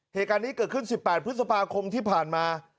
เหตุการณ์นี้เกิดขึ้น๑๘พฤษภาคมที่ผ่านมา